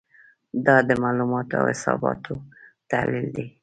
دا د معلوماتو او حساباتو تحلیل دی.